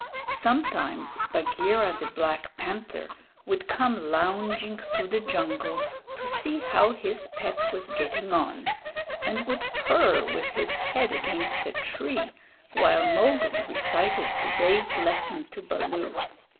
Sometimes Bagheera the Black Panther would come lounging through the jungle to see how his pet was getting on, and would purr with his head against a tree while Mowgli recited the day's lesson to Baloo.